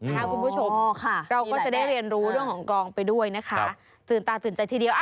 คุณผู้ชมเราก็จะได้เรียนรู้เรื่องของกองไปด้วยนะคะตื่นตาตื่นใจทีเดียว